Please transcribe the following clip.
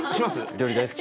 料理大好き。